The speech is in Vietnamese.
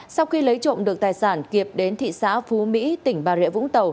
sau khi lấy trộm được tài sản kiệt đến thị xã phú mỹ tỉnh bà rịa vũng tàu